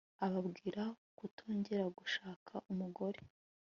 ababwira kutongera gushaka umugore